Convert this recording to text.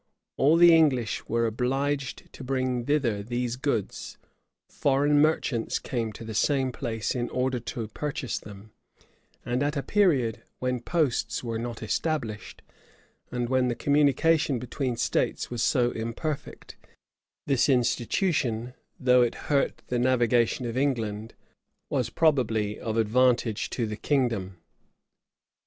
All the English were obliged to bring thither these goods: foreign merchants came to the same place in order to purchase them: and at a period when posts were not established, and when the communication between states was so imperfect, this institution, though it hurt the navigation of England, was probably of advantage to the kingdom.